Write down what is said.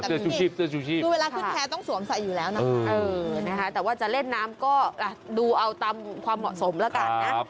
แต่คือเวลาขึ้นแพ้ต้องสวมใส่อยู่แล้วนะแต่ว่าจะเล่นน้ำก็ดูเอาตามความเหมาะสมแล้วกันนะ